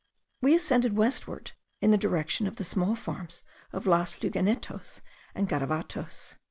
We ascended westward in the direction of the small farms of Las Lagunetos and Garavatos.